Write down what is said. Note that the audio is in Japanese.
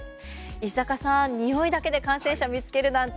石坂さん、においだけで感染者を見つけるなんて